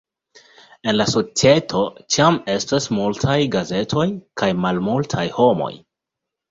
En la societo ĉiam estas multaj gazetoj kaj malmultaj homoj.